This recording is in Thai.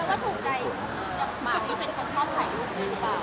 แล้วถูกใจหรือเป็นคนชอบถ่ายรูปนี้หรือเปล่า